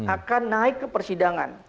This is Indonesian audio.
akan naik ke persidangan